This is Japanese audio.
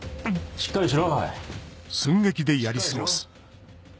しっかりしろ。